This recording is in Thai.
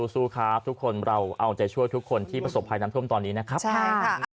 สู้ครับทุกคนเราเอาใจช่วยทุกคนที่ประสบภัยน้ำท่วมตอนนี้นะครับใช่ค่ะ